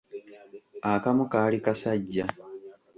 Akamu kaali kasajja,